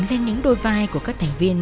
lên những đôi vai của các thành viên